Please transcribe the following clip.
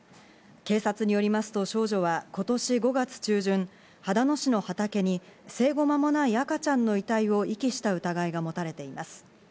警察によりますと、少女は今年５月中旬、秦野市の畑に生後まもない赤ちゃんの遺体を遺棄した疑いが持たれています。